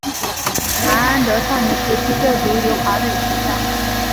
麻安德少年时期就读于华美学校。